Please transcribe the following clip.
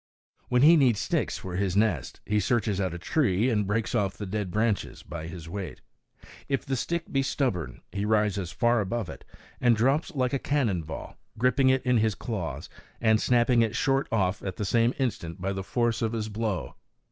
When he needs sticks for his nest, he searches out a tree and breaks off the dead branches by his weight. If the stick be stubborn, he rises far above it and drops like a cannon ball, gripping it in his claws and snapping it short off at the same instant by the force of his blow.